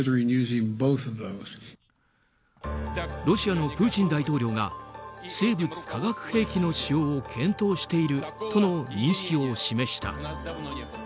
ロシアのプーチン大統領が生物・化学兵器の使用を検討しているとの認識を示した。